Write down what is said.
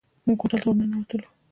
موږ هوټل ته ورننوتلو.